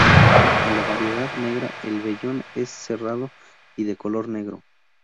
En la variedad negra el vellón es cerrado y de color negro.